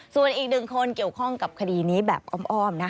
ส่วนอีกหนึ่งคนเกี่ยวข้องกับคดีนี้แบบอ้อม